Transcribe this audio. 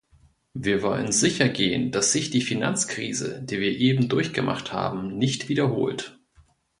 Wir wollen sichergehen, dass sich die Finanzkrise, die wir eben durchgemacht haben, nicht wiederholt.